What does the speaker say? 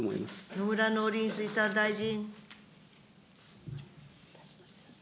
野村農林水産大臣。